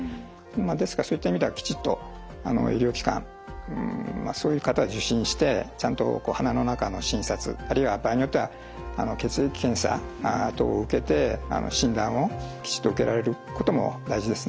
ですからそういった意味ではきちっと医療機関そういう方は受診してちゃんと鼻の中の診察あるいは場合によっては血液検査等を受けて診断をきちっと受けられることも大事ですね。